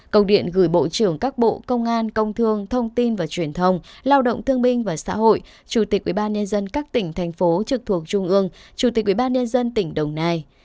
công điện gửi bộ trưởng các bộ công an công thương thông tin và truyền thông lao động thương minh và xã hội chủ tịch ubnd các tỉnh thành phố trực thuộc trung ương chủ tịch ubnd tỉnh đồng nai